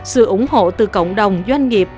sự ủng hộ từ cộng đồng doanh nghiệp